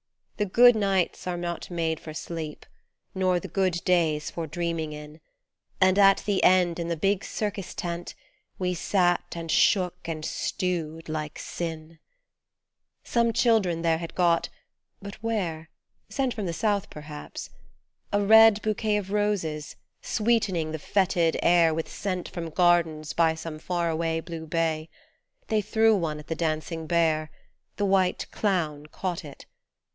The good nights are not made for sleep, nor the good days for dreaming in, And at the end in the big Circus tent we sat and shook and stewed like sin Some children there had got but where ? Sent from the south, perhaps a red bouquet Of roses, sweetening the fetid air With scent from gardens by some far away blue bay. They threw one at the dancing bear ; The white clown caught it.